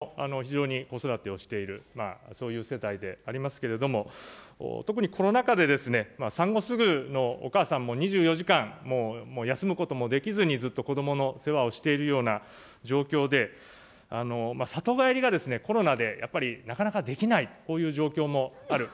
私の周りも非常に子育てをしている、そういう世帯でありますけど、特にコロナ禍で産後すぐのお母さん、もう２４時間休むこともできずにずっと子どもの世話をしているような状況で、里帰りがコロナでやっぱりなかなかできない、こういう状況もある。